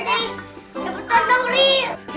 dapetan dong rie